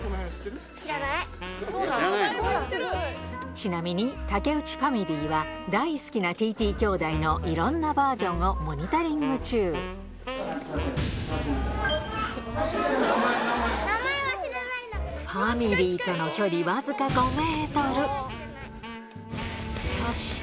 ちなみに竹内ファミリーは大好きな ＴＴ 兄弟のいろんなバージョンをモニタリング中ファミリーとの距離そして